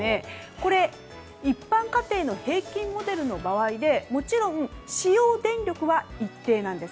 これ、一般家庭の平均モデルの場合でもちろん使用電力は一定なんです。